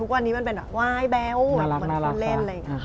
ว่าอายแบ๊วเหมือนคนเด้น